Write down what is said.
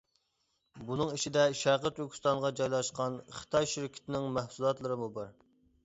بۇنىڭ ئىچىدە شەرقى تۈركىستانغا جايلاشقان خىتاي شىركىتىنىڭ مەھسۇلاتلىرىمۇ بار.